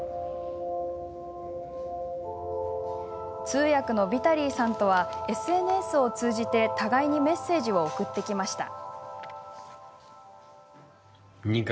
通訳のヴィタリーさんとはＳＮＳを通じて互いにメッセージを送ってきました。